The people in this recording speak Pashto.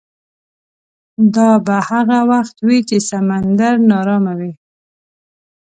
دا به هغه وخت وي چې سمندر ناارامه وي.